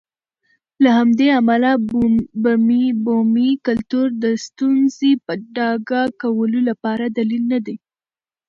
له همدې امله بومي کلتور د ستونزې په ډاګه کولو لپاره دلیل نه دی.